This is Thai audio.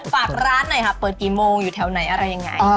ฝากร้านหน่อยค่ะเปิดกี่โมงอยู่แถวไหนอะไรยังไง